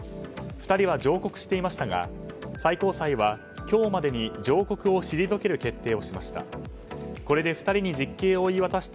２人は上告していましたが最高裁は今日までに上告を退ける決定をしました。